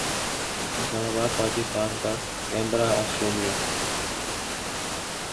Islamabad Pakistan Canberra Australia